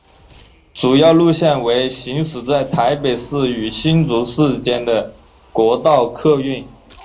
主要路线为行驶在台北市与新竹市间的国道客运。